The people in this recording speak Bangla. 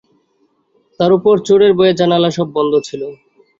তার ওপর চোরের ভয়ে জানালা সব বন্ধ ছিল।